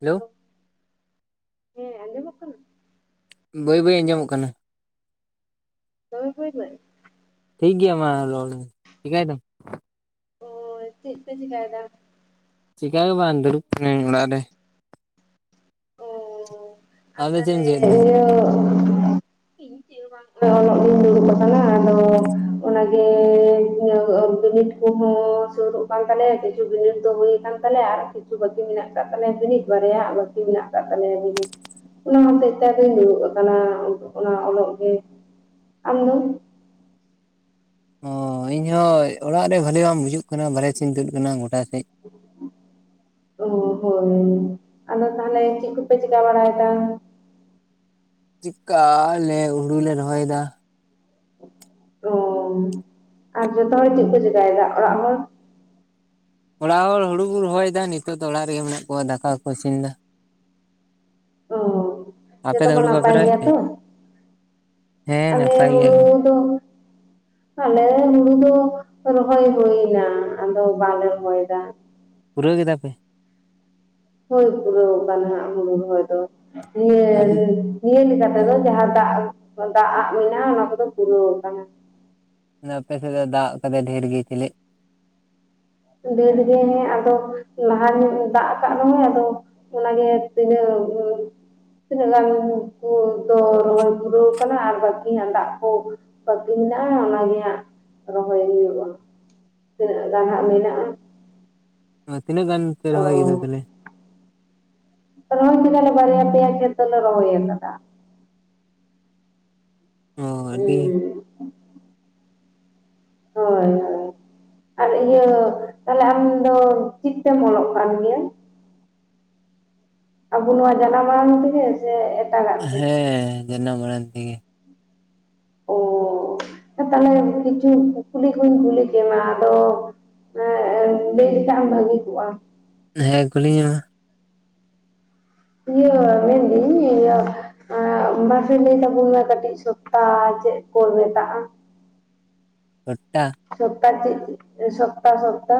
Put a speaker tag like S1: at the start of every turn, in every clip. S1: Hello.
S2: ᱦᱮᱸ ᱟᱸᱡᱚᱢᱚᱜ ᱠᱟᱱᱟ?
S1: ᱵᱟᱹᱭ ᱵᱟᱹᱭ ᱟᱸᱡᱚᱢᱚᱜ ᱠᱟᱱᱟ᱾
S2: ᱫᱚᱢᱮ ᱵᱟᱹᱭ ᱵᱟᱹᱭ?
S1: ᱴᱷᱤᱠ ᱜᱮᱭᱟ ᱢᱟ ᱨᱚᱲ ᱢᱮ᱾ ᱪᱤᱠᱟᱹᱭ ᱫᱟᱢ?
S2: ᱚ ᱪᱮᱫ ᱯᱮ ᱪᱤᱠᱟᱭᱫᱟ?
S1: ᱪᱤᱠᱟ ᱜᱮ ᱵᱟᱝ ᱫᱩᱲᱩᱵᱟ ᱠᱟᱱᱟᱹᱧ ᱚᱲᱟᱜ ᱨᱮ᱾
S2: ᱚ ᱟᱨ
S1: ᱟᱢ ᱫᱚ ᱪᱮᱫ ᱮᱢ
S2: ᱛᱚᱞᱮ
S1: ᱪᱤᱠᱟᱹᱭᱮᱫ ᱛᱮ
S2: ᱤᱭᱟᱹ [unintelligible] [unintelligible] ᱠᱩᱦᱚᱸ ᱥᱩᱨᱚᱜ ᱠᱟᱱ ᱛᱟᱞᱮᱭᱟ, ᱠᱤᱪᱷᱩ ᱵᱤᱱᱤᱰ ᱫᱚ ᱦᱩᱭᱭᱟᱠ ᱛᱟᱞᱮᱭᱟ ᱟᱨ ᱠᱤᱪᱷᱩ ᱵᱟᱹᱠᱤ ᱢᱮᱱᱟᱜ ᱠᱟᱫ ᱛᱟᱞᱮᱭᱟ ᱵᱤᱱᱤᱰ᱾ ᱵᱟᱨᱭᱟ ᱟᱜ ᱵᱟᱹᱛᱤ ᱢᱮᱱᱟᱜ ᱟᱠᱟᱫ ᱛᱟᱞᱮᱭᱟ ᱵᱤᱱᱤᱰ᱾ ᱚᱱᱟ ᱦᱚᱛᱮᱡ ᱛᱮ ᱟᱫᱚᱧ ᱫᱩᱲᱩᱵ ᱟᱠᱟᱱᱟ ᱚᱱᱟ ᱚᱞᱚᱜ ᱜᱮ᱾ ᱟᱢ ᱫᱚ?
S1: ᱚ ᱤᱧ ᱦᱚᱸ ᱚᱲᱟᱜ ᱨᱮ ᱵᱟᱹᱞᱤ ᱵᱟᱝ ᱵᱩᱡᱩᱜ ᱠᱟᱱᱟ᱾ ᱵᱟᱨᱮᱥᱮᱧ ᱛᱩᱫ ᱟᱠᱟᱱᱟ ᱜᱚᱴᱟ ᱥᱮᱡ᱾
S2: [inaudible] ᱚ ᱦᱳᱭ᱾ ᱟᱫᱚ ᱛᱟᱦᱚᱞᱮ ᱪᱮᱫ ᱠᱚᱯᱮ ᱪᱤᱠᱟ ᱵᱟᱲᱟᱭᱮᱫᱟ?
S1: ᱪᱮᱠᱟ ᱟᱞᱮ ᱦᱩᱲᱩ ᱞᱮ ᱨᱚᱦᱚᱭᱮᱫᱟ᱾
S2: ᱚ ᱟᱨ ᱡᱚᱛᱚ ᱦᱚᱲ ᱪᱮᱫ ᱠᱚ ᱪᱮᱠᱟᱭᱮᱫᱟ ᱚᱲᱟᱜ ᱦᱚᱲ‌?
S1: ᱚᱲᱟᱜ ᱦᱚᱲ ᱦᱩᱲᱩ ᱠᱚ ᱨᱚᱦᱚᱭᱫᱟ᱾ ᱱᱤᱛᱚᱜ ᱫᱚ ᱚᱲᱟᱜ ᱨᱮᱜᱮ ᱢᱮᱱᱟᱜ ᱠᱚᱣᱟ ᱫᱟᱠᱟ ᱠᱚᱠᱚ ᱤᱥᱤᱱᱫᱟ᱾
S2: ᱚ᱾
S1: ᱟᱯᱮ
S2: ᱡᱚᱛᱚ
S1: ᱫᱚ
S2: ᱯᱮ
S1: ᱦᱩᱲᱩ ᱵᱟᱯᱮ
S2: ᱱᱟᱯᱟᱭ
S1: ᱨᱚᱦᱚᱭᱮᱫ
S2: ᱜᱮᱭᱟ
S1: ᱛᱮ
S2: ᱛᱚ?
S1: ᱦᱮᱸ
S2: ᱟᱞᱮ
S1: ᱱᱟᱯᱟᱭ ᱜᱮᱭᱟ
S2: ᱦᱩᱲᱩ
S1: ᱠᱚ
S2: ᱫᱚ ᱟᱞᱮ ᱦᱩᱲᱩ ᱫᱚ ᱨᱚᱦᱚᱭ ᱦᱩᱭ ᱮᱱᱟ, ᱟᱫᱚ ᱵᱟᱞᱮ ᱨᱚᱦᱚᱭ ᱫᱟ᱾
S1: ᱯᱩᱨᱟᱹᱣ ᱠᱮᱫᱟ ᱯᱮ?
S2: ᱦᱳᱭ ᱯᱩᱨᱟᱹᱣ ᱟᱠᱟᱱᱟ ᱱᱟᱦᱟᱜ ᱦᱩᱲᱩ ᱨᱚᱦᱚᱭ ᱫᱚ᱾
S1: ᱟᱹᱰᱤ
S2: [unintelligible] ᱱᱤᱭᱟᱹ ᱞᱮᱠᱟ ᱛᱮᱫᱚ ᱡᱟᱦᱟᱸ ᱫᱟᱜ-ᱟᱜ ᱫᱟᱜ-ᱟᱜ ᱢᱮᱱᱟᱜᱼᱟ ᱚᱱᱟ ᱠᱚᱫᱚ ᱯᱩᱨᱟᱹᱣ ᱟᱠᱟᱱᱟ᱾
S1: ᱟᱫᱚ ᱟᱯᱮ ᱥᱮᱫ ᱫᱚ ᱫᱟᱜ ᱟᱠᱟᱫᱟ ᱰᱷᱮᱨ ᱜᱮ ᱪᱮᱞᱮᱫ?
S2: ᱰᱷᱮᱨ ᱜᱮ ᱦᱮᱸ ᱟᱫᱚ ᱞᱟᱦᱟᱨ ᱧᱚᱜ ᱫᱟᱜ ᱟᱠᱟᱫ ᱨᱮᱚᱸᱚᱭ ᱟᱫᱚ ᱚᱱᱟ ᱜᱮ ᱛᱤᱱᱟᱣ ᱡᱷᱳᱨ ᱛᱤᱱᱟᱹᱜ ᱜᱟᱱ ᱠᱩ ᱫᱚ ᱨᱚᱦᱚᱭ ᱯᱩᱨᱟᱹᱣ ᱠᱟᱱᱟ ᱟᱨ ᱵᱟᱠᱤᱟᱸ ᱫᱟᱜ ᱠᱚ ᱵᱟᱹᱠᱤ ᱢᱮᱱᱟᱜᱼᱟ ᱚᱱᱟᱜᱮ ᱦᱟᱸᱟᱜ ᱨᱚᱦᱚᱭ ᱦᱩᱭᱩᱜᱼᱟ, ᱛᱤᱱᱟᱹᱜ ᱜᱟᱱᱜ ᱦᱟᱸᱜ ᱢᱮᱱᱟᱜ᱾
S1: ᱚ ᱛᱤᱱᱟᱹᱜ ᱜᱟᱱ ᱯᱮ
S2: ᱚ
S1: ᱨᱚᱦᱚᱭ ᱠᱮᱫᱟ ᱛᱟᱦᱚᱞᱮ?
S2: ᱨᱚᱦᱚᱭ ᱠᱮᱫᱟᱞᱮ ᱵᱟᱨᱭᱟ ᱯᱮᱭᱟ ᱠᱷᱮᱛ ᱫᱚᱞᱮ ᱨᱚᱦᱚᱭ ᱟᱠᱟᱫᱟ᱾
S1: ᱚ ᱟᱹᱰᱤ
S2: ᱦᱩᱸ᱾ ᱦᱳᱭ ᱦᱳᱭ᱾ ᱟᱨ ᱤᱭᱟᱹ ᱛᱟᱦᱞᱮ ᱟᱢ ᱫᱚ ᱪᱤᱫ ᱛᱮᱢ ᱚᱞᱚᱜ ᱠᱟᱱ ᱜᱮᱭᱟ? ᱟᱵᱚ ᱱᱚᱣᱟ ᱡᱟᱱᱟᱢ ᱟᱲᱟᱝ ᱛᱮᱜᱮ? ᱥᱮ ᱮᱴᱟᱜᱟ
S1: ᱦᱮᱸ ᱡᱟᱱᱟᱢ ᱢᱟᱝ ᱛᱮᱜᱮ᱾
S2: ᱚ ᱛᱟᱦᱞᱮ ᱠᱤᱪᱷᱩ ᱠᱩᱞᱤ ᱠᱩᱧ ᱠᱩᱞᱤ ᱠᱮᱢᱟ᱾ ᱟᱫᱚ ᱦᱮ ᱮᱸ ᱞᱟᱹᱭ ᱞᱮᱠᱷᱟ ᱮᱢ ᱵᱷᱟᱹᱜᱤ ᱠᱚᱜᱼᱟ ᱾
S1: ᱦᱮᱸ ᱠᱩᱞᱤᱧ ᱢᱮ ᱢᱟ᱾
S2: ᱤᱭᱟᱹ ᱢᱮᱱᱫᱤᱧ ᱤᱭᱟᱹ᱾ ᱮ ᱢᱟᱥᱮ ᱞᱟᱹᱭ ᱛᱟᱵᱚᱱ ᱢᱮ ᱠᱟᱹᱴᱤᱡ ᱥᱚᱯᱛᱟ ᱪᱮᱫ ᱠᱚ ᱢᱮᱛᱟ?
S1: ᱥᱳᱯᱛᱟᱦ
S2: ᱥᱚᱯᱛᱟ ᱪᱮᱫ, ᱥᱚᱯᱛᱟ - ᱥᱚᱯᱛᱟ᱾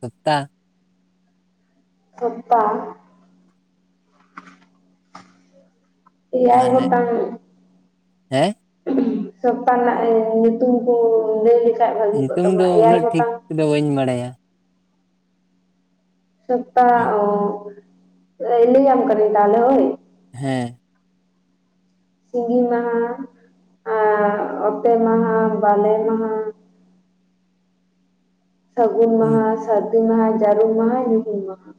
S1: ᱥᱳᱯᱛᱟᱦ
S2: ᱥᱳᱯᱛᱟᱦ ᱮᱭᱟᱭ
S1: ᱢᱟᱱᱮ
S2: ᱜᱚᱴᱟᱜ
S1: ᱦᱮᱸ
S2: ᱥᱚᱯᱛᱟ ᱨᱮᱱᱟᱜ ᱧᱩᱛᱩᱢ ᱠᱚ ᱞᱟᱹᱭ ᱞᱮᱠᱷᱟᱱ, ᱵᱷᱟᱹᱜᱤ ᱠᱚᱜ
S1: ᱧᱩᱛᱩᱢ ᱫᱚ
S2: ᱛᱟᱵᱚᱱᱟ᱾ ᱮᱭᱟᱭ
S1: ᱩᱱᱟᱹᱜ ᱴᱷᱤᱠ
S2: ᱜᱚᱴᱟᱝ
S1: ᱫᱚ ᱵᱟᱹᱧ ᱵᱟᱲᱟᱭᱟ᱾
S2: ᱥᱚᱯᱛᱟ ᱚᱸ ᱞᱟᱹᱭ ᱟᱢ ᱠᱟᱱᱤᱧ ᱛᱟᱦᱚᱞᱮ ᱦᱳᱭ᱾
S1: ᱦᱮᱸ᱾
S2: ᱥᱤᱸᱜᱤ ᱢᱟᱦᱟ, ᱟᱨ ᱚᱛᱮ ᱢᱟᱦᱟ, ᱵᱟᱞᱮ ᱢᱟᱦᱟ ᱥᱟᱹᱜᱩᱱ ᱢᱟᱦᱟ, ᱥᱟᱨ ᱫᱤ ᱢᱟᱦᱟ, ᱡᱟᱹᱨᱩᱢ ᱢᱟᱦᱟ, ᱧᱩᱦᱩᱢ ᱢᱟᱦᱟ,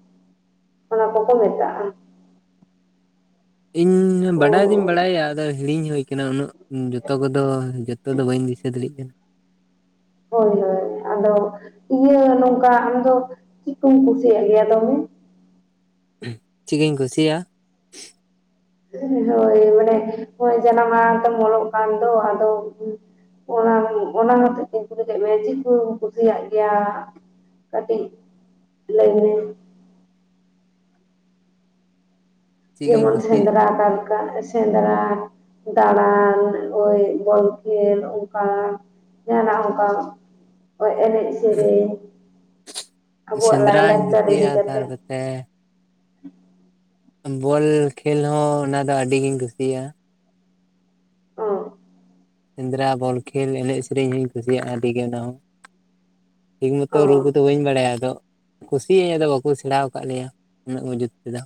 S2: ᱚᱱᱟ ᱠᱚᱼᱠᱚ ᱢᱮᱛᱟᱜᱼᱟ᱾
S1: ᱤᱧ ᱵᱟᱰᱟᱭ ᱫᱩᱧ
S2: ᱦᱳᱭ
S1: ᱵᱟᱲᱟᱭᱼᱟ ᱾ ᱟᱫᱚ ᱦᱤᱲᱤᱧ ᱦᱩᱭ ᱟᱠᱟᱱᱟ᱾ ᱩᱱᱟᱹᱜ ᱡᱚᱛᱚ ᱠᱚ-ᱫᱚ᱾ ᱱᱤᱛᱚᱜ ᱫᱚ ᱵᱟᱹᱧ ᱫᱤᱥᱟᱹ ᱫᱟᱲᱮᱭᱟᱜ ᱠᱟᱱᱟ᱾
S2: ᱦᱳᱭ, ᱦᱳᱭ ᱟᱫᱚ ᱤᱭᱟᱹ ᱱᱚᱝᱠᱟ ᱟᱢᱫᱚ ᱪᱮᱫ ᱠᱚᱢ ᱠᱩᱥᱤᱭᱟ-ᱜ ᱜᱮᱭᱟ ᱫᱚᱢᱮ᱾
S1: ᱪᱮᱫ ᱠᱩᱧ ᱠᱩᱥᱤᱭᱟᱜᱼᱟ᱾
S2: ᱦᱳᱭ ᱢᱟᱱᱮ ᱱᱚ-ᱚᱭ ᱡᱟᱱᱟᱢ ᱟᱲᱟᱝ ᱛᱮᱢ ᱚᱞᱚᱜ ᱠᱟᱱ ᱫᱚ ᱟᱫᱚ ᱚᱱᱟ, ᱚᱱᱟ ᱦᱚᱛᱮᱡ ᱛᱤᱧ ᱠᱩᱞᱤ ᱠᱮᱫ ᱢᱮᱭᱟ ᱾ᱪᱮᱫ ᱠᱚᱢ ᱠᱩᱥᱤᱭᱟᱜ ᱜᱮᱭᱟ? ᱠᱟᱹᱴᱤᱡ ᱞᱟᱹᱭ ᱢᱮ᱾
S1: ᱪᱮᱫ ᱠᱚᱧ
S2: ᱡᱮᱢᱚᱱ
S1: ᱠᱩᱥᱤᱭᱟᱜ
S2: ᱥᱮᱸᱫᱽᱨᱟ, ᱠᱟᱨ ᱚᱱᱠᱟ ᱥᱮᱸᱫᱽᱨᱟ, ᱫᱟᱬᱸᱟᱱ ᱳᱭ ᱵᱚᱞ ᱠᱷᱮᱞ ᱚᱱᱠᱟ ᱡᱟᱸᱦᱟᱱᱟᱜ ᱚᱱᱠᱟ ᱮᱱᱮᱡ ᱥᱮᱨᱮᱧ, ᱟᱵᱚᱣᱟᱜ ᱞᱟᱭᱞᱟᱠᱪᱟᱨ ᱤᱫᱤ ᱠᱟᱛᱮᱫ
S1: ᱦᱮᱸ᱾ ᱵᱚᱞ ᱠᱷᱮᱞ ᱦᱚᱸ ᱚᱱᱟ ᱫᱚ ᱟᱹᱰᱤ ᱜᱤᱧ ᱠᱩᱥᱤᱭᱟᱜᱼᱟ᱾
S2: ᱚᱸ᱾
S1: ᱥᱮᱸᱫᱽᱨᱟ, ᱵᱚᱞ ᱠᱷᱮᱞ, ᱮᱱᱮᱡ, ᱥᱮᱨᱮᱧ, ᱦᱚᱧ ᱠᱩᱥᱤᱭᱟᱜᱼᱟ ᱾ ᱟᱹᱰᱤ ᱜᱮ ᱚᱱᱟ ᱦᱚᱸ᱾ ᱴᱷᱤᱠ ᱢᱚᱛᱚ ᱨᱩ
S2: ᱚᱸ
S1: ᱠᱚᱼᱫᱚ ᱵᱟᱹᱧ ᱵᱟᱲᱟᱭᱟ ᱾ ᱟᱫᱚ ᱠᱩᱥᱤᱭᱟᱜ ᱟᱹᱧ ᱟᱫᱚ ᱵᱟᱠᱚ ᱥᱮᱬᱸᱟᱣ ᱟᱠᱟᱫ ᱞᱮᱭᱟ᱾ ᱩᱱᱟᱹᱜ ᱢᱩᱡᱩᱛ ᱛᱮᱫᱚ᱾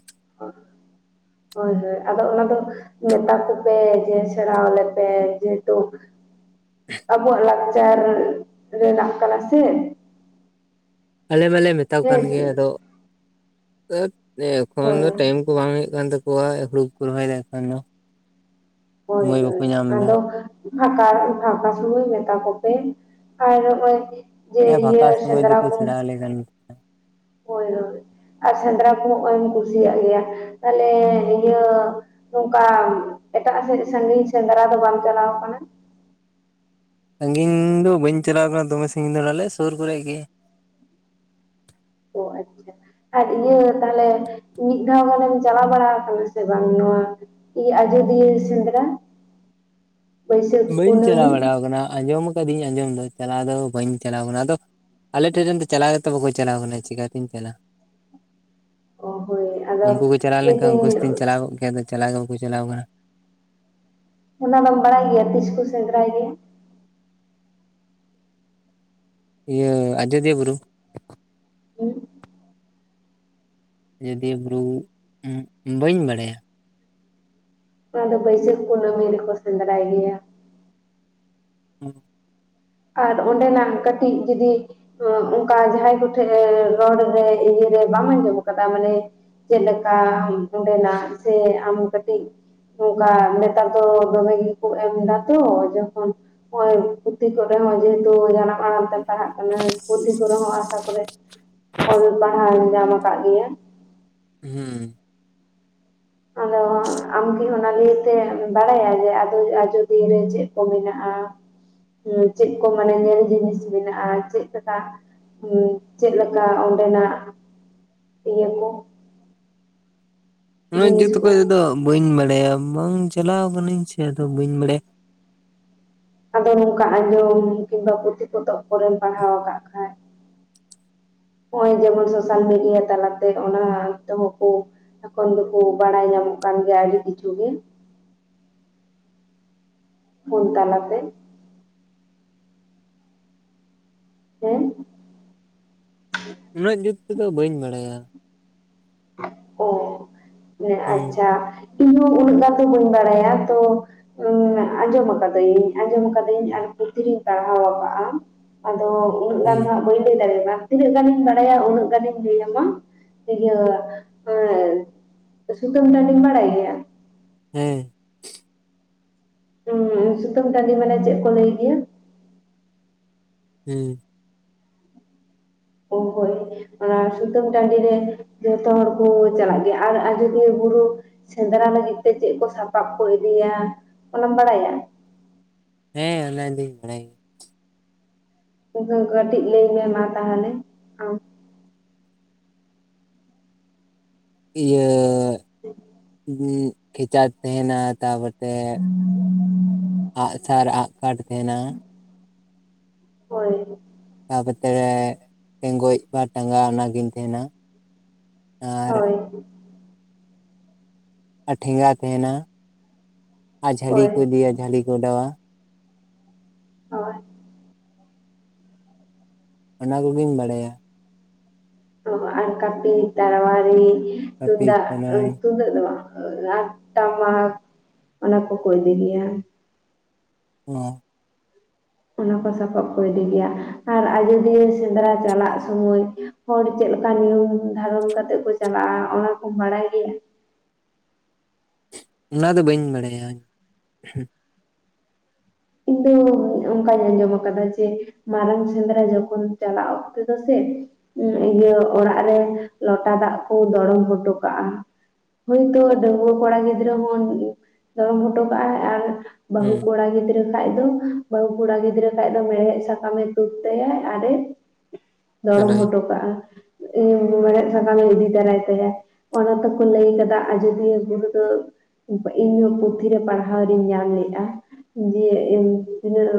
S2: ᱦᱳᱭ, ᱦᱳᱭ ᱟᱫᱚ ᱚᱱᱟ ᱫᱚ ᱢᱮᱛᱟ ᱠᱚ ᱯᱮ, ᱡᱮ ᱥᱮᱸᱲᱟᱣ ᱟᱞᱮ ᱯᱮ, ᱡᱮᱦᱮᱛᱩ ᱟᱵᱚᱣᱟ-ᱜ ᱞᱟᱠᱪᱟᱨ ᱨᱮᱱᱟᱜ ᱠᱟᱱᱟ ᱥᱮ᱾
S1: ᱟᱞᱮ ᱢᱟᱞᱮ ᱢᱮᱛᱟ ᱠᱚ ᱠᱟᱱ
S2: ᱦᱮᱸ
S1: ᱜᱮᱭᱟ ᱾ ᱟᱫᱚ [unintelligible] ᱮᱠᱷᱚᱱ
S2: ᱦᱳᱭ
S1: ᱴᱟᱭᱤᱢ ᱠᱚ ᱵᱟᱝ ᱦᱩᱭᱩᱜ ᱠᱟᱱ ᱛᱟᱠᱚᱣᱟ᱾ [unintelligible] ᱠᱚ ᱨᱚᱦᱚᱭ [unintelligible]
S2: ᱦᱳᱭ ᱦᱳᱭ
S1: ᱮᱫᱟ
S2: ᱟᱫᱚ᱾ ᱯᱷᱟᱸᱠᱟ, ᱯᱷᱟᱸᱠᱟ ᱥᱚᱢᱚᱭ ᱢᱮᱛᱟ ᱠᱚᱯᱮ ᱾ᱟᱨ ᱦᱚᱸᱜ ᱚᱭ᱾ ᱡᱮ
S1: ᱦᱮᱸ ᱯᱷᱟᱸᱠᱟ
S2: ᱤᱭᱟᱹ
S1: ᱥᱚᱢᱚᱭ
S2: ᱥᱮᱸᱫᱽᱨᱟ ᱠᱚ
S1: [unintelligible]
S2: ᱦᱳᱭ ᱦᱳᱭ ᱟᱨ ᱥᱮᱸᱫᱽᱨᱟ ᱠᱚᱦᱚᱸ ᱦᱚᱸᱜ-ᱚᱭ ᱮᱢ ᱠᱩᱥᱤᱭᱟᱜ ᱜᱮᱭᱟ, ᱛᱟᱦᱞᱮ ᱱᱤᱭᱟᱹ ᱱᱚᱝᱠᱟ ᱮᱴᱟᱜ ᱥᱮᱫ ᱥᱟᱺᱜᱤᱧ ᱥᱮᱸᱫᱽᱨᱟ ᱫᱚ ᱵᱟᱢ ᱪᱟᱞᱟᱣ ᱟᱠᱟᱱᱟ?
S1: ᱥᱟᱺᱜᱤᱧ ᱫᱚ ᱵᱟᱹᱧ ᱪᱟᱞᱟᱣ ᱟᱠᱟᱱᱟ ᱫᱚᱢᱮ ᱥᱟᱺᱜᱤᱧ ᱫᱚ ᱟᱞᱮ ᱥᱩᱨ ᱠᱚᱨᱮ ᱜᱮ ᱾
S2: ᱚ ᱟᱪᱪᱷᱟ ᱾ ᱟᱨ ᱤᱭᱟᱹ ᱛᱟᱦᱞᱮ ᱢᱤᱫ ᱫᱷᱟᱣ ᱜᱟᱱᱮᱢ ᱪᱟᱞᱟᱣ ᱵᱟᱲᱟ ᱟᱠᱟᱱᱟ ᱥᱮ ᱵᱟᱝ ᱱᱚᱣᱟ ᱤᱭᱟᱹ ᱟᱡᱚᱫᱤᱭᱟᱹ ᱥᱮᱸᱫᱽᱨᱟ?
S1: [inaudible]
S2: ᱵᱟᱹᱭᱥᱟᱹᱠᱷ
S1: ᱵᱟᱹᱧ ᱪᱟᱞᱟᱣ
S2: ᱠᱩᱱᱟᱹᱢᱤ
S1: ᱵᱟᱲᱟᱣ ᱟᱠᱟᱱᱟ ᱾ ᱟᱸᱡᱚᱢ ᱟᱠᱟᱫᱤᱧ ᱟᱸᱡᱚᱢ ᱫᱚ ᱪᱟᱞᱟᱣ ᱫᱚ ᱵᱟᱹᱧ ᱪᱟᱞᱟᱣ ᱟᱠᱟᱱᱟ ᱾ ᱟᱫᱚ ᱟᱞᱮ ᱴᱷᱮᱱ ᱨᱮᱱ ᱫᱚ ᱪᱟᱞᱟᱣ ᱜᱮᱛᱚ ᱵᱟᱠᱚ ᱪᱟᱞᱟᱣ ᱟᱠᱟᱱᱟ ᱪᱤᱠᱟᱹᱛᱤᱧ ᱪᱟᱞᱟᱜ-ᱟ᱾
S2: ᱚ ᱦᱳᱭ
S1: [inaudible] ᱩᱱᱠᱩ
S2: ᱟᱫᱚ
S1: ᱠᱚ ᱪᱟᱞᱟᱣ ᱞᱮᱱᱠᱷᱟᱱ ᱩᱱᱠᱩ
S2: ᱞᱟᱹᱭᱫᱟᱹᱧ
S1: ᱥᱟᱣᱛᱤᱧ ᱪᱟᱞᱟᱣ ᱠᱚᱜ ᱜᱮᱭᱟ ᱟᱫᱚ ᱪᱟᱞᱟᱣ ᱜᱮ ᱵᱟᱠᱚ ᱪᱟᱞᱟᱣ ᱟᱠᱟᱱᱟ᱾
S2: ᱚᱱᱟ ᱫᱚᱢ ᱵᱟᱲᱟᱭ ᱜᱮᱭᱟ ᱛᱤᱥ ᱠᱚ ᱥᱮᱸᱫᱽᱨᱟᱭ ᱜᱮᱭᱟ?
S1: ᱤᱭᱟᱹ ᱟᱡᱫᱤᱭᱟᱹ ᱵᱩᱨᱩ?
S2: ᱦᱮᱸ ᱾
S1: ᱟᱡᱚᱫᱤᱭᱟᱹ ᱵᱩᱨᱩ ᱩᱸ ᱵᱟᱹᱧ ᱵᱟᱲᱟᱭᱟ ᱾
S2: ᱚᱱᱟ ᱫᱚ ᱵᱟᱹᱭᱥᱟᱹᱠᱷ ᱠᱩᱱᱟᱹᱢᱤ ᱨᱮ ᱠᱚ ᱥᱮᱸᱫᱽᱨᱟᱭ ᱜᱮᱭᱟ ᱾
S1: [inaudible]
S2: ᱟᱨ ᱚᱸᱰᱮᱱᱟᱜ ᱠᱟᱹᱴᱤᱡ ᱡᱩᱫᱤ ᱚᱱᱠᱟ ᱡᱟᱦᱟᱸᱭ ᱠᱚᱴᱷᱮᱱ ᱨᱚᱲ ᱨᱮ ᱤᱭᱟᱹ ᱨᱮ ᱵᱟᱢ ᱟᱸᱡᱚᱢ ᱟᱠᱟᱫᱟ ᱢᱟᱱᱮ ᱪᱮᱫ ᱞᱮᱠᱟ ᱚᱸᱰᱮᱱᱟᱜ ᱥᱮ ᱟᱢ ᱠᱟᱹᱴᱤᱡ ᱱᱚᱝᱠᱟ ᱱᱮᱛᱟᱨ ᱫᱚ ᱫᱚᱢᱮ ᱜᱮᱠᱚ ᱮᱢ ᱮᱫᱟ ᱛᱚ ᱡᱚᱠᱷᱚᱱ ᱱᱚᱸᱜᱚᱭ ᱯᱩᱛᱤ ᱠᱚ ᱨᱮ ᱦᱚᱸ ᱡᱮᱦᱮᱛᱩ ᱡᱟᱱᱟᱢ ᱟᱲᱟᱝ ᱛᱮᱢ ᱯᱟᱲᱦᱟᱜ ᱠᱟᱱᱟ ᱯᱩᱛᱷᱤ ᱠᱚᱨᱮ ᱦᱚᱸ ᱟᱥᱟ ᱠᱚᱨᱮ ᱚᱞ ᱯᱟᱲᱦᱟᱣ ᱧᱟᱢ ᱟᱠᱟᱫ ᱜᱮᱭᱟ ᱾
S1: ᱦᱮᱸ ᱾ [inaudible]
S2: ᱟᱢ ᱠᱤ ᱚᱱᱟ ᱱᱤᱭᱟᱹ ᱛᱮ ᱵᱟᱲᱟᱭᱟ ᱡᱮ ᱟᱡᱚᱫᱤᱭᱟᱹ ᱪᱮᱫ ᱠᱚ ᱢᱮᱱᱟᱜ-ᱟ ᱾ ᱪᱮᱫ ᱠᱚ ᱢᱟᱱᱮ ᱧᱮᱞ ᱡᱤᱱᱤᱥ ᱢᱮᱱᱟᱜ-ᱟ, ᱪᱮᱫ ᱞᱮᱠᱟ ᱦᱩᱸ ᱪᱮᱫ ᱞᱮᱠᱟ ᱚᱸᱰᱮᱱᱟᱜ [inaudible] ᱤᱭᱟᱹ ᱠᱚ ᱾
S1: ᱩᱱᱟᱹᱜ
S2: ᱡᱤᱱᱤᱥ
S1: ᱡᱩᱛ
S2: ᱠᱚ
S1: ᱚᱠᱚᱡ ᱛᱮ ᱫᱚ ᱵᱟᱹᱧ ᱵᱟᱲᱟᱭᱟ ᱵᱟᱝ ᱪᱟᱞᱟᱣ ᱟᱠᱟᱱᱟᱹᱧ ᱥᱮ ᱟᱫᱚ ᱵᱟᱹᱧ ᱵᱟᱲᱟᱭᱟ ᱾
S2: ᱟᱫᱚ ᱱᱚᱝᱠᱟ ᱟᱸᱡᱚᱢ ᱠᱤᱝᱵᱟ ᱯᱩᱛᱷᱤ ᱯᱚᱛᱚᱵ ᱠᱚᱨᱮᱢ ᱯᱟᱲᱦᱟᱣ ᱟᱠᱟᱫ ᱠᱷᱟᱡ ᱱᱚᱸᱜ-ᱚᱭ ᱡᱮᱢᱚᱱ ᱥᱳᱥᱟᱞ ᱢᱤᱰᱤᱭᱟ ᱛᱟᱞᱟᱛᱮ ᱚᱱᱟ ᱛᱮᱦᱚᱸ ᱠᱚ ᱮᱠᱷᱚᱱ ᱫᱚᱠᱚ ᱵᱟᱲᱟᱭ ᱧᱟᱢᱚᱜ ᱠᱟᱱ ᱜᱮᱭᱟ ᱟᱹᱰᱤ ᱠᱤᱪᱷᱩ ᱜᱮ ᱾ ᱯᱷᱳᱱ ᱛᱟᱞᱟ ᱛᱮ ᱾ ᱦᱮᱸ [inaudible]
S1: ᱩᱱᱟᱹᱜ ᱡᱩᱛ ᱛᱮᱫᱚ ᱵᱟᱹᱧ ᱵᱟᱲᱟᱭᱟ ᱾
S2: ᱚ
S1: ᱦᱩᱸ
S2: ᱟᱪᱪᱷᱟ ᱤᱧ ᱦᱚ ᱩᱱᱟᱹᱜ ᱜᱟᱱ ᱫᱚ ᱵᱟᱹᱧ ᱵᱟᱲᱟᱭᱟ, ᱛᱚ ᱩᱸ ᱟᱸᱡᱚᱢ ᱟᱠᱟᱫᱟᱹᱧ ᱟᱸᱡᱚᱢ ᱟᱠᱟᱫᱟᱹᱧ ᱟᱨ ᱯᱩᱛᱷᱤ ᱨᱤᱧ ᱯᱟᱲᱦᱟᱣ ᱟᱠᱟᱫ-ᱟ ᱾ ᱟᱫᱚ ᱩᱱᱟᱹᱜ ᱜᱟᱱ
S1: ᱦᱩᱸ
S2: ᱫᱚ ᱦᱟᱸᱜ ᱵᱟᱹᱧ ᱞᱟᱹᱭ ᱫᱟᱲᱮᱭᱟᱜ-ᱟ ᱾ ᱛᱤᱱᱟᱹᱜ ᱜᱟᱱ ᱤᱧ ᱵᱟᱲᱟᱭᱟ ᱩᱱᱟᱹᱜ ᱜᱟᱱ ᱤᱧ ᱞᱟᱹᱭ ᱟᱢᱟ ᱾ [inaudible] ᱤᱭᱟᱹ ᱟᱨ [inaudible] ᱥᱩᱛᱟᱹᱢ ᱴᱟᱺᱰᱤᱢ ᱵᱟᱲᱟᱭ ᱜᱮᱭᱟ?
S1: ᱦᱮᱸ ᱾
S2: ᱦᱩᱸ ᱥᱩᱛᱟᱹᱱ ᱴᱟᱺᱰᱤ ᱢᱟᱱᱮ ᱪᱮᱫ ᱠᱚ ᱞᱟᱹᱭ ᱜᱮᱭᱟ?
S1: ᱦᱮᱸ ᱾
S2: ᱚ ᱦᱳᱭ ᱾ ᱚᱱᱟ ᱥᱩᱛᱟᱹᱢ ᱴᱟᱺᱰᱮ ᱡᱷᱚᱛᱚ ᱦᱚᱲ ᱠᱚ ᱪᱟᱞᱟᱜ ᱜᱮᱭᱟ ᱟᱨ ᱟᱡᱫᱤᱭᱟᱹ ᱵᱩᱨᱩ ᱥᱮᱸᱫᱽᱨᱟ ᱞᱟᱹᱜᱤᱫ ᱛᱮ ᱪᱮᱫ ᱠᱚ ᱥᱟᱯᱟᱵ ᱠᱚ ᱤᱫᱤᱭᱟ ᱚᱱᱟᱢ ᱵᱟᱲᱟᱭᱟ?
S1: ᱦᱮᱸ ᱚᱱᱟ ᱫᱩᱧ ᱵᱟᱲᱟᱭ ᱜᱮᱭᱟ᱾
S2: ᱵᱟᱵᱩ ᱠᱟᱹᱴᱤᱡ ᱞᱟᱹᱭ ᱢᱮ ᱢᱟ ᱛᱟᱦᱚᱞᱮ ᱟᱢ?
S1: ᱤᱭᱟᱹ ᱠᱷᱮᱪᱟ ᱛᱟᱦᱮᱱᱟ ᱛᱟᱵᱚᱨ ᱛᱮ ᱟᱸᱜᱼᱥᱟᱨ ᱟᱸᱜᱠᱚᱴ ᱛᱟᱦᱮᱱᱟ᱾
S2: ᱦᱳᱭ᱾
S1: ᱛᱟᱯᱚᱛᱮ ᱴᱮᱸᱜᱚᱡ ᱵᱟ ᱴᱟᱸᱜᱟ ᱚᱱᱟᱜᱤᱧ ᱛᱟᱦᱮᱱᱟ᱾ ᱟᱨ
S2: ᱦᱳᱭ᱾
S1: ᱟᱨ ᱴᱷᱮᱸᱜᱟ ᱛᱟᱦᱮᱱᱟ ᱟᱨ ᱡᱷᱟᱹᱞᱤ
S2: ᱦᱳᱭ
S1: ᱠᱚ ᱤᱫᱤᱭᱟ ᱡᱷᱟᱹᱞᱤ ᱠᱚ ᱚᱰᱟᱣᱟ᱾
S2: ᱦᱳᱭ᱾
S1: ᱚᱱᱟ ᱠᱚᱜᱤᱧ ᱵᱟᱲᱟᱭᱟ᱾
S2: ᱚ, ᱟᱨ ᱠᱟᱹᱯᱤ, ᱛᱟᱹᱨᱣᱟᱨᱤ,
S1: ᱦᱟᱹᱯᱤᱫ
S2: ᱛᱩᱫᱟᱜ,
S1: ᱪᱟᱞᱟᱭ
S2: ᱛᱩᱢᱫᱟᱜ ᱫᱚ ᱵᱟ ᱴᱟᱢᱟᱠ ᱚᱱᱟ ᱠᱚᱠᱚ ᱤᱫᱤ ᱜᱮᱭᱟ᱾
S1: ᱦᱮᱸ᱾
S2: ᱚᱱᱟ ᱠᱚ ᱥᱟᱯᱟᱵ ᱠᱚ ᱤᱫᱤ ᱜᱮᱭᱟ, ᱟᱨ ᱟᱡᱫᱤᱭᱟᱹ ᱥᱮᱸᱫᱽᱨᱟ ᱪᱟᱞᱟᱜ ᱥᱚᱢᱚᱭ ᱦᱚᱲ ᱪᱮᱫ ᱞᱮᱠᱟ ᱱᱤᱭᱚᱢ ᱫᱷᱟᱨᱚᱱ ᱠᱟᱛᱮᱫ ᱠᱚ ᱪᱟᱞᱟᱜᱼᱟ, ᱚᱱᱟ ᱠᱚ ᱵᱟᱲᱟᱭ ᱜᱮᱭᱟ?
S1: ᱚᱱᱟ ᱫᱚ ᱵᱟᱹᱧ ᱵᱟᱰᱟᱭᱟᱧ ᱦᱩᱸ᱾
S2: ᱤᱧ ᱫᱚ ᱚᱱᱠᱟᱧ ᱟᱸᱡᱚᱢ ᱠᱟᱫᱟ ᱡᱮ, ᱢᱟᱨᱟᱝ ᱥᱮᱸᱫᱽᱨᱟ ᱡᱚᱠᱷᱚᱱ ᱪᱟᱞᱟᱜ ᱚᱠᱛᱮᱼᱫᱚ ᱥᱮ ᱚᱱᱟ ᱤᱭᱟᱹ ᱚᱲᱟᱜ ᱨᱮ ᱞᱚᱴᱟ ᱫᱟᱜ ᱠᱚ ᱫᱚᱲᱚᱢ ᱦᱚᱴᱚ ᱠᱟᱜᱼᱟ᱾ ᱦᱚᱭᱼᱛᱚ ᱰᱟᱺᱜᱩᱣᱟᱹ ᱠᱚᱲᱟ ᱜᱤᱫᱽᱨᱟᱹ ᱦᱚ ᱫᱚᱲᱚᱢ ᱦᱚᱴᱚ ᱠᱟᱜ ᱟᱭ ᱟᱨ ᱵᱟᱹᱦᱩ
S1: ᱦᱩᱸ
S2: ᱠᱚᱲᱟ ᱜᱤᱫᱽᱨᱟᱹ ᱠᱷᱟᱡ ᱫᱚ, ᱵᱟᱹᱦᱩ ᱠᱚᱲᱟ ᱜᱤᱫᱽᱨᱟᱹ ᱠᱷᱟᱡ ᱫᱚ ᱢᱮᱲᱦᱮᱫ ᱥᱟᱠᱟᱢᱮ ᱛᱩᱫ ᱛᱟᱭᱟᱭ ᱟᱨᱮ
S1: [inaudible]
S2: ᱫᱚᱲᱚᱢ ᱦᱚᱴᱚ ᱠᱟᱜᱼᱟ᱾ ᱤᱧ ᱢᱮᱸᱲᱦᱮᱫ ᱥᱟᱠᱟᱢᱮ ᱤᱫᱤ ᱛᱟᱨᱟᱭ ᱛᱟᱭᱟ᱾ ᱚᱱᱟ ᱛᱚᱠᱚ ᱞᱟᱹᱭ ᱠᱟᱫᱟ ᱟᱡᱳᱫᱤᱭᱟᱹ ᱵᱩᱨᱩ ᱫᱚ ᱤᱧᱦᱚᱸ ᱯᱩᱛᱷᱤ ᱨᱮ ᱯᱟᱲᱦᱟᱣ ᱨᱤᱧ ᱧᱟᱢ ᱞᱮᱜᱼᱟ᱾ ᱡᱮ ᱤᱧ ᱛᱤᱱᱟᱹᱜ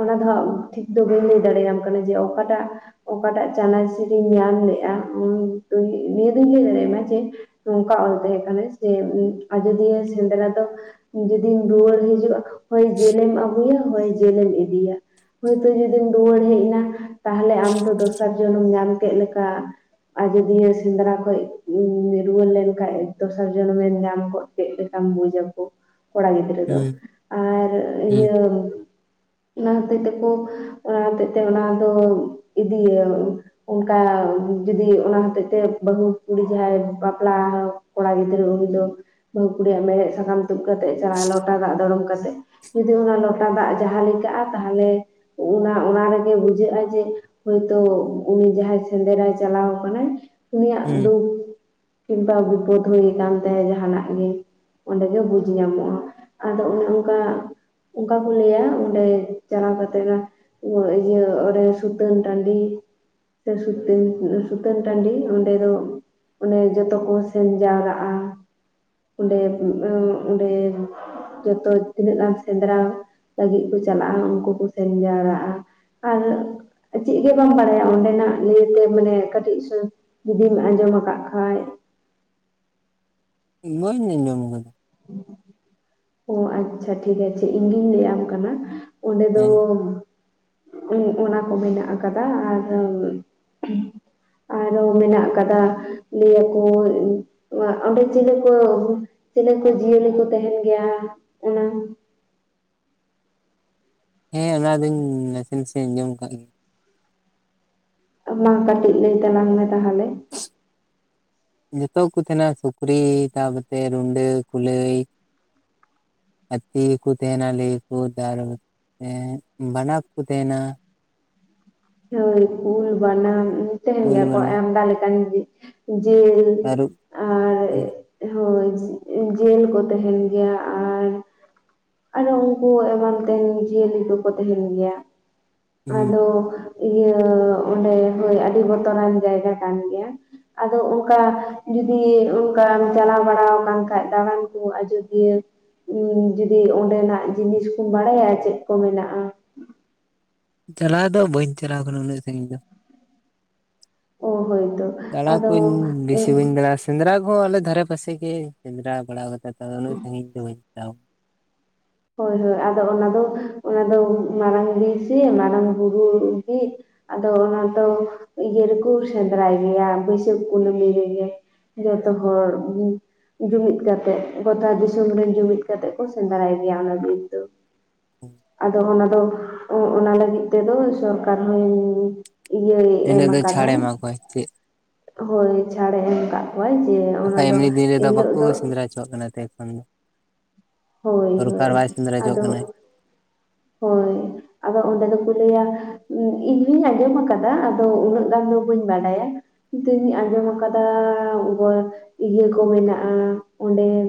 S2: ᱚᱱᱟ ᱫᱚ ᱦᱟᱸᱜ ᱴᱷᱤᱠ ᱫᱚ ᱵᱟᱹᱧ ᱞᱟᱹᱭ ᱫᱟᱲᱮᱭᱟᱢ ᱠᱟᱱᱟ ᱡᱮ ᱚᱠᱟᱴᱟᱜ ᱚᱠᱟᱴᱟᱜ ᱪᱟᱱᱟᱪ ᱨᱤᱧ ᱧᱟᱢ ᱞᱮᱜᱼᱟ, ᱚᱱᱟ ᱫᱩᱧ ᱱᱤᱭᱟᱹ ᱫᱩᱧ ᱞᱟᱹᱭ ᱫᱟᱲᱮᱭᱟᱢᱟ ᱡᱮ ᱱᱚᱝᱠᱟ ᱚᱞ ᱛᱟᱦᱮᱸ ᱠᱟᱱᱟ ᱡᱮ ᱟᱹᱡᱽᱫᱤᱭᱟᱹ ᱥᱮᱸᱫᱽᱨᱟ ᱫᱚ ᱡᱩᱫᱤᱢ ᱨᱩᱣᱟᱹᱲ ᱦᱤᱡᱩᱜᱼᱟ᱾ ᱦᱳᱭ, ᱡᱮᱞᱮᱢ ᱟᱜᱩᱭᱟ, ᱦᱳᱭ ᱡᱮᱞᱮᱢ ᱤᱫᱤᱭᱟ᱾ ᱦᱳᱭᱼᱛᱳ ᱡᱩᱫᱤᱢ ᱨᱩᱣᱟᱹᱲ ᱦᱮᱡ ᱮᱱᱟ᱾ ᱛᱟᱦᱚᱞᱮ ᱟᱢ ᱫᱚ ᱫᱚᱥᱟᱨ ᱡᱚᱱᱚᱢ ᱧᱟᱢ ᱠᱮᱫ ᱞᱮᱠᱟ ᱟᱹᱡᱽᱫᱤᱭᱟᱹ ᱥᱮᱸᱫᱽᱨᱟ ᱠᱷᱚᱡᱽ ᱨᱩᱣᱟᱹᱲ ᱞᱮᱱᱠᱷᱟᱡᱽ ᱫᱚᱥᱟᱨ ᱡᱚᱱᱚᱢᱮ ᱧᱟᱢ ᱠᱚᱜ ᱪᱮᱫ ᱞᱮᱠᱟᱢ ᱵᱩᱡᱷᱟᱹᱣ ᱠᱚ ᱠᱚᱲᱟ ᱜᱤᱫᱽᱨᱟᱹ ᱫᱚ
S1: ᱦᱩᱸ
S2: ᱟᱨ
S1: ᱦᱩᱸ
S2: ᱤᱭᱟᱹ ᱚᱱᱟ ᱦᱚᱛᱮᱡ ᱛᱮᱠᱚ ᱚᱱᱟ ᱦᱚᱛᱮᱡᱼᱛᱮ ᱚᱱᱟ ᱫᱚ ᱤᱫᱤᱭᱟ ᱠᱚ ᱚᱱᱠᱟ ᱡᱩᱫᱤ ᱚᱱᱟ ᱦᱚᱛᱮᱡᱼᱛᱮ ᱵᱟᱹᱦᱩ ᱠᱩᱲᱤ ᱜᱮ ᱡᱟᱦᱟᱸᱭ ᱵᱟᱯᱞᱟ ᱠᱚᱲᱟ ᱜᱤᱫᱽᱨᱟᱹ ᱩᱱᱤ ᱫᱚ ᱵᱟᱹᱦᱩ ᱠᱩᱲᱤᱭᱟᱜ ᱢᱮᱦᱮᱫ ᱥᱟᱠᱟᱢ ᱛᱩᱫ ᱠᱟᱛᱮᱜ ᱮ ᱪᱟᱞᱟᱜ ᱞᱚᱴᱟ ᱫᱟᱜ ᱫᱚᱲᱚᱢ ᱠᱟᱛᱮᱫ, ᱡᱩᱫᱤ ᱚᱱᱟ ᱞᱚᱴᱟ ᱫᱟᱜ ᱡᱟᱦᱟᱸ ᱞᱮᱠᱟᱜᱼᱟ, ᱛᱟᱦᱚᱞᱮ ᱚᱱᱟ ᱚᱱᱟ ᱨᱮᱜᱮ ᱵᱩᱡᱷᱟᱹᱜᱼᱟ ᱡᱮ ᱦᱚᱭᱼᱛᱳ ᱩᱱᱤ ᱡᱟᱦᱟᱸᱭ ᱥᱮᱸᱫᱽᱨᱟᱭ ᱪᱟᱞᱟᱣ ᱠᱟᱱᱟᱭ, ᱩᱱᱤᱭᱟᱜ
S1: ᱦᱩᱸ
S2: ᱫᱩᱠᱷ ᱠᱤᱝᱵᱟ ᱵᱤᱯᱚᱫᱽ ᱦᱩᱭ ᱠᱟᱱ ᱛᱮ ᱡᱟᱦᱟᱱᱟᱜᱼᱜᱮ ᱚᱱᱰᱮᱜᱮ ᱵᱩᱡᱽ ᱧᱟᱢᱚᱜᱼᱟ ᱟᱫᱚ ᱚᱱᱮ ᱚᱱᱠᱟ ᱚᱱᱠᱟ ᱠᱚ ᱞᱟᱭᱟ, ᱚᱸᱰᱮ ᱪᱟᱞᱟᱣ ᱠᱟᱛᱮᱜ ᱳ ᱤᱭᱟᱹ ᱚᱱᱮ ᱥᱩᱛᱟᱹᱱ ᱴᱟᱺᱰᱤ ᱛᱮ ᱥᱩᱛᱟᱹᱱ ᱥᱩᱛᱟᱹᱱ ᱴᱟᱺᱰᱤ ᱚᱸᱰᱮ ᱫᱚ ᱚᱱᱮ ᱡᱚᱛᱚ ᱠᱚ ᱥᱮᱱ ᱡᱟᱣᱨᱟᱜᱼᱟ᱾ ᱚᱸᱰᱮ [inaudible] ᱚᱸᱰᱮ ᱡᱷᱚᱛᱚ ᱛᱤᱱᱟᱹᱜ ᱜᱟᱱ ᱥᱮᱸᱫᱽᱨᱟ ᱞᱟᱹᱜᱤᱫ ᱠᱚ ᱪᱟᱞᱟᱜᱼᱟ ᱩᱱᱠᱩ ᱠᱚ ᱥᱮᱱ ᱡᱟᱣᱨᱟᱜᱼᱟ, ᱟᱨ ᱪᱮᱫ ᱜᱮ ᱵᱟᱢ ᱵᱟᱰᱟᱭᱟ ᱚᱸᱰᱮᱱᱟᱜ ᱱᱤᱭᱟᱹᱛᱮ ᱢᱟᱱᱮ ᱠᱟᱹᱴᱤᱡ ᱥᱟᱹ ᱡᱩᱫᱤᱢ ᱟᱸᱡᱚᱢ ᱟᱠᱟᱜ ᱠᱷᱟᱡ?
S1: ᱵᱟᱹᱧ ᱟᱸᱢᱚᱢ ᱠᱟᱫᱟ ᱾
S2: ᱚ ᱟᱪᱪᱷᱟ ᱴᱷᱤᱠ ᱟᱪᱷᱮ ᱤᱧ ᱜᱤᱧ ᱞᱟᱹᱭ ᱟᱢ ᱠᱟᱱᱟ, ᱚᱸᱰᱮ ᱫᱚ
S1: ᱦᱮᱸ
S2: [inaudible] ᱚᱱᱟ ᱠᱚ ᱢᱮᱱᱟᱜ ᱟᱠᱟᱫᱟ ᱟᱨ ᱟᱨᱦᱚᱸ ᱢᱮᱱᱟᱜ ᱟᱠᱟᱫᱟ, ᱞᱟᱹᱭᱟ ᱠᱚ ᱚᱸᱰᱮ ᱪᱤᱞᱤ ᱠᱚ ᱪᱮᱞᱮ ᱠᱚ ᱡᱤᱭᱟᱹᱞᱤ ᱠᱚ ᱛᱟᱦᱮᱸᱱ ᱜᱮᱭᱟ, ᱚᱱᱟ
S1: ᱦᱮᱸ ᱚᱱᱟ ᱫᱚᱧ ᱱᱟᱥᱮ ᱱᱟᱥᱮᱧ ᱟᱸᱡᱚᱢ ᱠᱟᱫᱴᱜ ᱜᱮᱭᱟ᱾
S2: ᱢᱟ ᱠᱟᱹᱴᱤᱡ ᱞᱟᱹᱭ ᱛᱟᱞᱟᱝ ᱢᱮ ᱛᱟᱦᱚᱞᱮ᱾
S1: ᱡᱷᱚᱛᱚ ᱠᱚ ᱛᱟᱦᱮᱸᱱᱟ ᱥᱩᱠᱨᱤ ᱛᱟᱯᱚᱨ ᱛᱮ ᱨᱩᱸᱰᱟᱹ, ᱠᱩᱞᱟᱹᱭ, ᱦᱟᱛᱤ ᱠᱚ ᱛᱟᱦᱮᱸᱱᱟ ᱞᱟᱹᱭ ᱟᱠᱚ [inaudible] ᱮᱸᱜ ᱵᱟᱱᱟ ᱠᱚ ᱠᱚ ᱛᱟᱦᱮᱸᱱᱟ,
S2: ᱦᱳᱭ ᱠᱩᱞ, ᱵᱟᱱᱟ ᱛᱟᱦᱮᱸᱱ
S1: ᱠᱩᱞ
S2: ᱜᱮᱭᱟ ᱠᱚ
S1: ᱵᱟᱱᱟ
S2: ᱟᱢᱫᱟ ᱞᱮᱠᱟᱱ ᱡᱮᱞ
S1: ᱛᱟᱹᱨᱩᱵ
S2: ᱟᱨ ᱦᱳᱭ ᱡᱮᱞ ᱠᱚ ᱛᱟᱦᱮᱸᱱ ᱜᱮᱭᱟ ᱟᱨ ᱟᱨᱦᱚᱸ ᱩᱝᱠᱩ ᱮᱢᱟᱱ ᱛᱮᱱ ᱡᱤᱭᱟᱹᱞᱤ ᱠᱚᱠᱚ ᱛᱟᱦᱮᱸᱱ ᱜᱮᱭᱟ᱾
S1: ᱦᱩᱸ
S2: ᱟᱫᱚ ᱤᱭᱟᱹ ᱚᱸᱰᱮ ᱦᱳᱭ ᱟᱹᱰᱤ ᱵᱚᱛᱚᱨᱟᱱ ᱡᱟᱭᱜᱟ ᱠᱟᱱ ᱜᱮᱭᱟ᱾ ᱟᱫᱚ ᱚᱝᱠᱟ ᱡᱩᱫᱤ ᱚᱝᱠᱟᱢ ᱪᱟᱞᱟᱣ ᱵᱟᱲᱟᱣ ᱟᱠᱟᱱ ᱠᱷᱟᱡ ᱫᱟᱲᱟᱱ ᱠᱚ ᱟᱡᱚᱫᱤᱭᱟᱹ [inaudible] ᱡᱩᱫᱤ ᱚᱸᱰᱮᱱᱟᱜ ᱡᱤᱱᱤᱥ ᱠᱚᱢ ᱵᱟᱲᱟᱭᱟ ᱪᱮᱫ ᱠᱚ ᱢᱮᱱᱟᱜ-ᱟ?
S1: ᱪᱟᱞᱟᱣ ᱫᱚ ᱵᱟᱹᱧ ᱪᱟᱞᱟᱣ ᱟᱠᱟᱱᱟ ᱩᱱᱟᱹᱜ ᱥᱟᱺᱜᱤᱧ ᱫᱚ᱾
S2: ᱚᱳ ᱦᱳᱭᱛᱳ᱾
S1: ᱫᱟᱬᱟ
S2: ᱟᱫᱚ
S1: ᱠᱩᱧ ᱵᱮᱥᱤ ᱵᱟᱹᱧ ᱫᱟᱬᱟ ᱥᱮᱸᱫᱽᱨᱟ ᱠᱚᱦᱚᱸ ᱟᱞᱮ ᱫᱷᱟᱨᱮ ᱯᱟᱥᱮ ᱜᱮ ᱥᱮᱸᱫᱽᱨᱟ ᱵᱟᱲᱟᱣ ᱠᱟᱪᱟ ᱛᱚ ᱩᱱᱟᱹᱜ ᱥᱟᱺᱜᱤᱧ ᱫᱚ ᱵᱟᱹᱧ [inaudible]
S2: ᱦᱳᱭ ᱦᱳᱭ ᱟᱫᱚ ᱚᱱᱟ ᱫᱚ, ᱚᱱᱟ ᱫᱚ ᱢᱟᱨᱟᱝ ᱵᱤᱨ ᱥᱮ ᱢᱟᱨᱟᱝ ᱵᱩᱨᱩ ᱜᱮ ᱟᱫᱚ ᱚᱱᱟ ᱫᱚ ᱤᱭᱟᱹ ᱨᱮᱠᱚ ᱥᱮᱸᱫᱽᱨᱟᱭ ᱜᱮᱭᱟ ᱵᱟᱹᱭᱥᱟᱹᱠᱷ ᱠᱩᱱᱟᱹᱢᱤ ᱨᱮᱜᱮ᱾ ᱡᱚᱛᱚ ᱦᱚᱲ ᱡᱩᱢᱤᱫ ᱠᱟᱛᱮᱜ ᱜᱚᱴᱟ ᱫᱤᱥᱚᱢ ᱨᱮᱱ ᱡᱩᱢᱤᱫ ᱠᱟᱛᱮᱜ ᱠᱚ ᱥᱮᱸᱫᱽᱨᱟᱭ ᱜᱮᱭᱟ ᱚᱱᱟ ᱵᱤᱨ ᱫᱚ, ᱟᱫᱚ ᱚᱱᱟ ᱫᱚ ᱚᱱᱟ ᱞᱟᱹᱜᱤᱫ ᱛᱮᱫᱚ ᱥᱚᱨᱠᱟᱨ ᱦᱚᱸ ᱤᱭᱟᱹᱭ ᱮᱢ
S1: ᱤᱱᱟᱹᱜ ᱫᱚ ᱪᱷᱟᱲᱮ
S2: ᱠᱟᱫᱟᱭ,
S1: ᱮᱢᱟ ᱠᱚᱣᱟ ᱪᱮᱫ
S2: ᱦᱳᱭ ᱪᱷᱟᱲᱮ ᱮᱢ ᱠᱟᱜ ᱠᱚᱣᱟᱭ ᱡᱮ ᱚᱱᱟ
S1: ᱵᱟᱠᱷᱟᱡ
S2: ᱫᱚ,
S1: ᱮᱢᱱᱤ ᱫᱤᱱ ᱨᱮᱫᱚ
S2: ᱮᱱ ᱦᱤᱞᱳᱜ
S1: ᱵᱟᱠᱚ
S2: ᱫᱚ
S1: [inaudible]
S2: ᱦᱳᱭ
S1: ᱥᱚᱨᱠᱟᱨ
S2: ᱦᱳᱭ,
S1: ᱵᱟᱭ ᱥᱮᱸᱫᱽᱨᱟ ᱦᱚᱪᱚᱣᱟᱜ ᱠᱟᱱᱟᱭ
S2: ᱟᱫᱚ ᱦᱳᱭ᱾ ᱟᱫᱚ ᱚᱸᱰᱮ ᱫᱚᱠᱚ ᱞᱟᱹᱭᱟ ᱤᱧᱦᱚᱸᱧ ᱟᱸᱡᱚᱢ ᱟᱠᱟᱫᱟ ᱟᱫᱚ ᱩᱱᱟᱹᱜ ᱜᱟᱱ ᱫᱚ ᱵᱟᱹᱧ ᱵᱟᱰᱟᱭᱟ᱾ ᱤᱧ ᱛᱩᱧ ᱟᱸᱡᱚᱢ ᱟᱠᱟᱫᱟ ᱤᱭᱟᱹ ᱠᱚ ᱢᱮᱱᱟᱜᱼᱟ ᱚᱸᱰᱮᱼᱼ